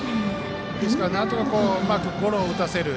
なんとかうまくゴロを打たせる。